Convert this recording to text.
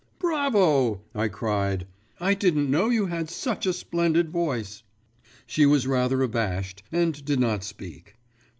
'Bravo!' I cried; 'I didn't know you had such a splendid voice.' She was rather abashed, and did not speak.